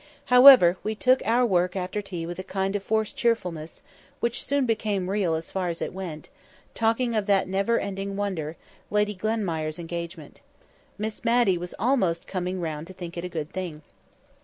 However, we took to our work after tea with a kind of forced cheerfulness (which soon became real as far as it went), talking of that never ending wonder, Lady Glenmire's engagement. Miss Matty was almost coming round to think it a good thing.